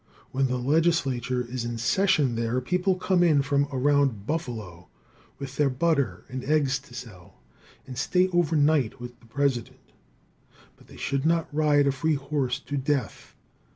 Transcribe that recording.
When the legislature is in session there, people come in from around Buffalo with their butter and eggs to sell, and stay overnight with the president. But they should not ride a free horse to death.